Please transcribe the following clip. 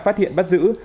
phát hiện bắt giữ